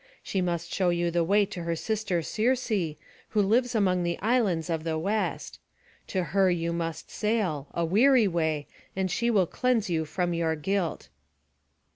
She must show you the way to her sister Circe, who lives among the islands of the West. To her you must sail, a weary way, and she shall cleanse you from your guilt."